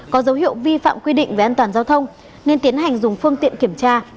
có dấu hiệu vi phạm quy định về an toàn giao thông nên tiến hành dùng phương tiện kiểm tra